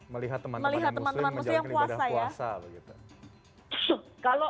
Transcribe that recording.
melihat teman teman yang muslim menjalankan ibadah puasa